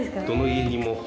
どの家にも。